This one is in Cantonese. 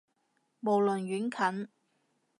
無論遠近